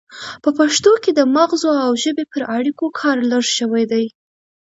په پښتو کې د مغزو او ژبې پر اړیکو کار لږ شوی دی